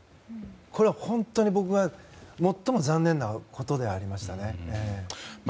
これは本当に僕が最も残念なことでありましたね。